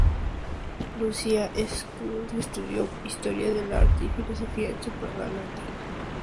Lucía Schulz estudió historia del arte y Filosofía en su Praga natal.